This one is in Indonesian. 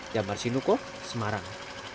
dabar sinuko semarang